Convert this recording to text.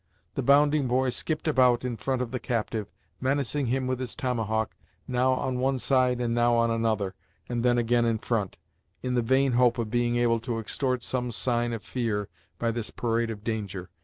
The Bounding Boy skipped about in front of the captive, menacing him with his tomahawk, now on one side and now on another, and then again in front, in the vain hope of being able to extort some sign of fear by this parade of danger.